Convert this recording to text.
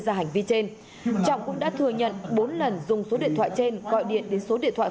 ra hành vi trên trọng cũng đã thừa nhận bốn lần dùng số điện thoại trên gọi điện đến số điện thoại